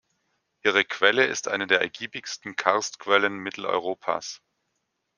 Ihre Quelle ist eine der ergiebigsten Karstquellen Mitteleuropas.